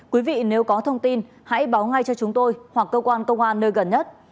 quý vị nếu có thông tin hãy báo ngay cho chúng tôi hoặc cơ quan công an nơi gần nhất